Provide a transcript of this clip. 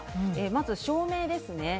まず照明です。